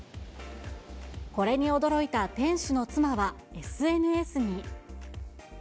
これに驚いた店主の妻は、ＳＮＳに。